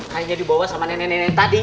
hanya dibawa sama nenek nenek tadi